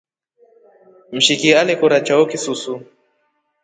Mshiki alekora choa kisusu.